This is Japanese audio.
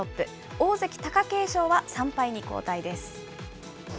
大関・貴景勝は３敗に後退です。